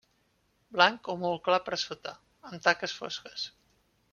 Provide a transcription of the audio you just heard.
Blanc o molt clar per sota, amb taques fosques.